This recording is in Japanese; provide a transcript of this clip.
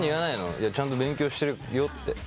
いやちゃんと勉強してるよって。